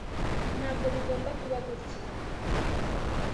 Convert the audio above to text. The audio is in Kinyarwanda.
ntabwo bigomba kuba gutya